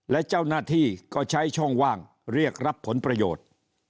และเจ้าหน้าที่ก็ใช้ช่องว่างเรียกรับผลประโยชน์